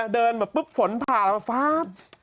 เดินแบบปุ๊บฝนผ่าแล้วฟ้า